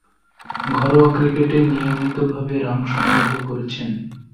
ঘরোয়া ক্রিকেটে নিয়মিতভাবে রান সংগ্রহ করেছেন।